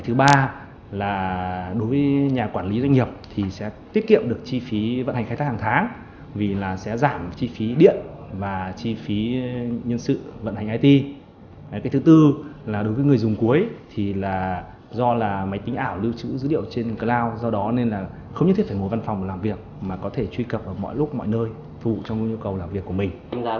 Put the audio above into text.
thứ ba đối với nhà quản lý doanh nghiệp thì sẽ tiết kiệm được chi phí vận hành khai thác hàng tháng vì sẽ giảm chi phí dữ liệu trên cloud do đó không nhất thiết phải ngồi văn phòng làm việc mà có thể truy cập ở mọi nơi phù trong nhu cầu làm việc của mình